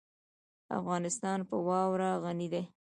افغانستان په واوره غني دی.